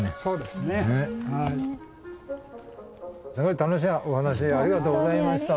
すごい楽しいお話ありがとうございました。